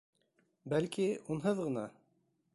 Бәлки, унһыҙ ғына...